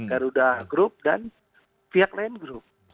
garuda grup dan pihak lain grup